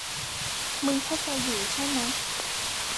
มึงเข้าใจอยู่ใช่มะ